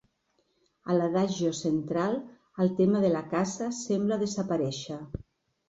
A l'Adagio central, el tema de la caça sembla desaparèixer.